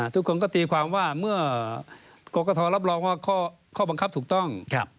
ทุกคนก็ตีความว่าเมื่อกรกตรับรองว่าข้อบังคับถูกต้อง